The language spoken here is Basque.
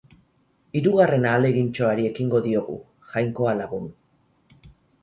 Hirugarren ahalegintxoari ekingo diogu, Jainkoa lagun.